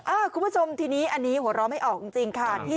คุณผู้ชมทีนี้อันนี้หัวเราะไม่ออกจริงค่ะ